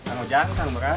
kang ujan kang beran